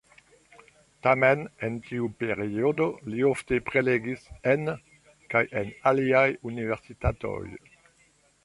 Tamen en tiu periodo li ofte prelegis en kaj en aliaj universitatoj.